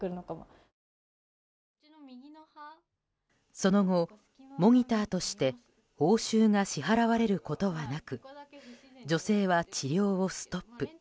その後、モニターとして報酬が支払われることはなく女性は治療をストップ。